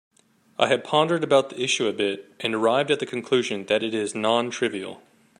I have pondered about the issue a bit and arrived at the conclusion that it is non-trivial.